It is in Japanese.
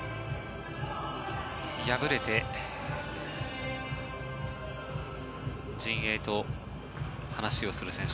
敗れて、陣営と話をする選手。